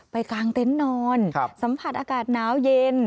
กลางเต็นต์นอนสัมผัสอากาศหนาวเย็น